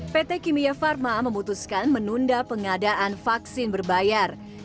pt kimia pharma memutuskan menunda pengadaan vaksin berbayar